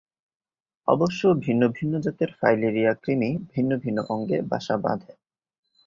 অবশ্য ভিন্ন ভিন্ন জাতের ফাইলেরিয়া-কৃমি ভিন্ন ভিন্ন অঙ্গে বাসা বাঁধে।